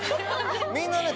みんなね。